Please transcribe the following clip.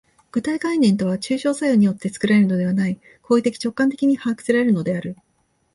具体概念とは抽象作用によって作られるのではない、行為的直観的に把握せられるのである。